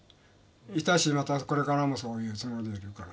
いたしまたこれからもそういうつもりでいるから。